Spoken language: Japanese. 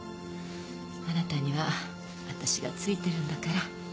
あなたには私がついてるんだから。